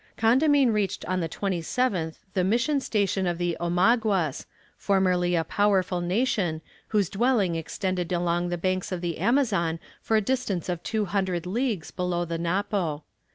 Condamine reached on the 27th the mission station of the Omaguas, formerly a powerful nation, whose dwelling extended along the banks of the Amazon for a distance of 200 leagues below the Napo.